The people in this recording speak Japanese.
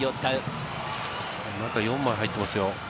中に４枚入っていますよ。